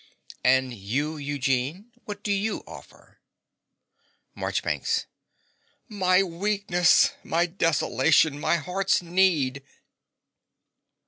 And you, Eugene? What do you offer? MARCHBANKS. My weakness! my desolation! my heart's need!